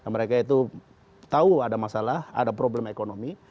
mereka itu tahu ada masalah ada problem ekonomi